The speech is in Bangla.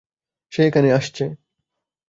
সে এখানে আসছে।